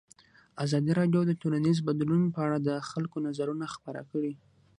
ازادي راډیو د ټولنیز بدلون په اړه د خلکو نظرونه خپاره کړي.